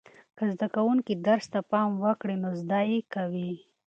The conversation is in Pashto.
که زده کوونکي درس ته پام وکړي نو زده یې کوي.